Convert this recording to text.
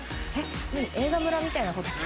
映画村みたいな。